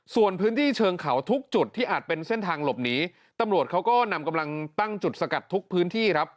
ส่วนพื้นที่เชิงเขาทุกจุดที่อาจเป็นเส้นทางหลบหนีตำรวจเขาก็นำกำลังตั้งจุดสกัดทุกพื้นที่ครับ